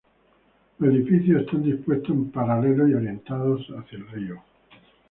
Los edificios están dispuestos en paralelo y orientados hacia el río.